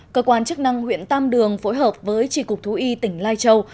cơ quan chức năng huyện tam đường phối hợp với chỉ cục thú y tỉnh lai châu